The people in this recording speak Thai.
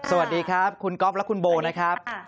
สวัสดีครับคุณก๊อฟและคุณโบนะครับ